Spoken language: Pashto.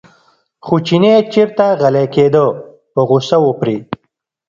خو چینی چېرته غلی کېده په غوسه و پرې.